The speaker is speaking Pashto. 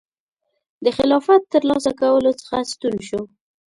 د خلافت ترلاسه کولو څخه ستون شو.